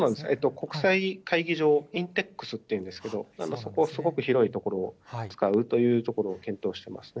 国際会議場、インテックスというんですけど、そこ、すごく広い所を使うということを検討してますね。